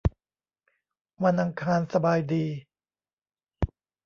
วันอังคารสบายดี